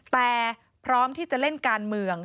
แต่พร้อมที่จะเล่นการเมือง